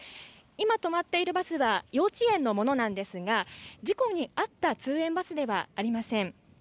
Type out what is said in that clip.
今止まっているバスは幼稚園のものなんですが事故に遭った通園バスではありません。